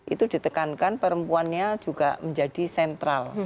itu ditekankan perempuannya juga menjadi sentral